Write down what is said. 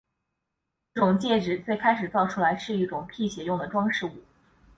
这种戒指最开始造出来时是一种辟邪用的装饰物。